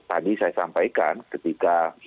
tadi saya sampaikan ketika